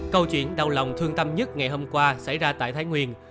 câu chuyện đau lòng thương tâm nhất ngày hôm qua xảy ra tại thái nguyên